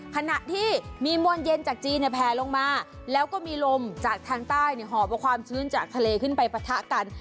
ขณะที่มีมวลเย็นจากจีนแผลลงมาแล้วก็มีลมจากทางใต้หอบเอาความชื้นจากทะเลขึ้นไปปะทะกัน